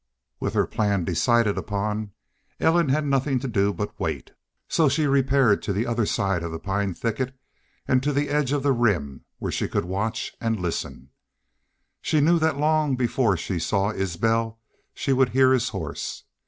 With her plan decided upon, Ellen had nothing to do but wait, so she repaired to the other side of the pine thicket and to the edge of the Rim where she could watch and listen. She knew that long before she saw Isbel she would hear his horse.